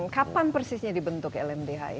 kapan persisnya dibentuk lmdh ini